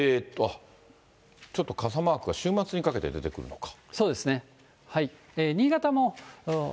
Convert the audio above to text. ちょっと傘マークが週末にかけて出てくるのか。